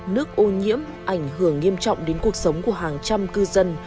nước ô nhiễm ảnh hưởng nghiêm trọng đến cuộc sống của hàng trăm cư dân